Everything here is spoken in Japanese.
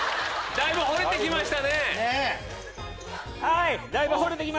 だいぶ掘れてきました！